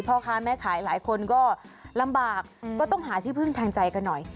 พ่อค้าแม่ขายหลายคนก็ลำบากก็ต้องหาที่พึ่งทางใจกันหน่อย